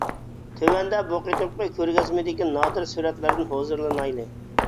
تۆۋەندە بۇ قېتىمقى كۆرگەزمىدىكى نادىر سۈرەتلەردىن ھۇزۇرلىنايلى!